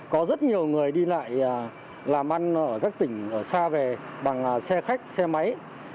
có rất nhiều người đi lại làm ăn ở các tỉnh ở xa về bằng xe khách xe máy